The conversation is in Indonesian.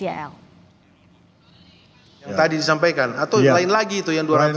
yang tadi disampaikan atau yang lain lagi itu